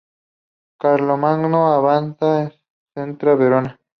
Carlomagno avanza contra Verona.